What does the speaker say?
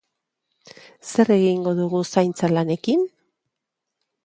Zer egingo dugu zaintza lanekin?